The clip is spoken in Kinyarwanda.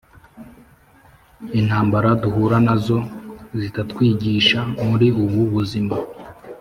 Intambara duhura nazo zitatwigisha muri ubu buzima